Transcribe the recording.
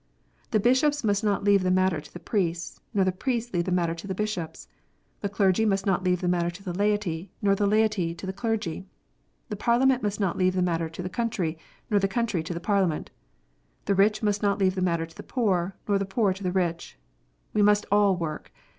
The Bishops must not leave the matter to the priests, nor the priests leave the matter to the Bishops. The clergy must not leave the matter to the laity, nor the laity to the clergy. The Parliament must not leave the matter to the country, nor the country to the Parliament. The rich must not leave the matter to the poor, nor the poor to the rich. We must all work.